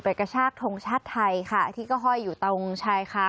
กระชากทงชาติไทยค่ะที่ก็ห้อยอยู่ตรงชายค้าง